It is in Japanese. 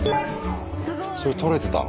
それ撮れてたの。